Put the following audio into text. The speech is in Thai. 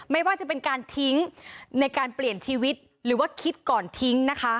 ไม่ว่าจะเป็นการทิ้งในการเปลี่ยนชีวิตหรือว่าคิดก่อนทิ้งนะคะ